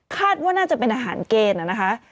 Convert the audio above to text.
คาดว่าน่าจะเป็นอาหารเกณฑ์นะคะ